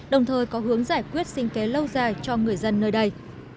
đồng thời có hướng giải quyết sinh kế lâu dài cho người dân nơi đây